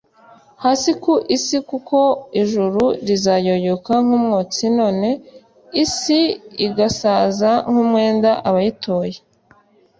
hasi ku isi kuko ijuru rizayoyoka nk umwotsi n n isi igasaza nk umwenda Abayituye